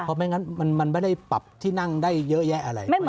เพราะไม่งั้นมันไม่ได้ปรับที่นั่งได้เยอะแยะอะไร